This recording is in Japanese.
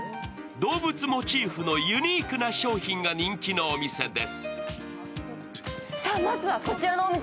動物モチーフのユニークな商品が人気のお店です。